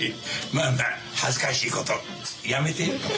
まあまあ恥ずかしいことやめて。